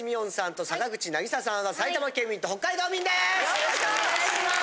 よろしくお願いします。